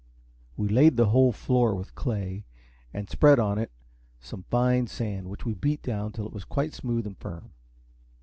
We laid the whole floor with clay, and spread on it some fine sand, which we beat down till it was quite smooth and firm.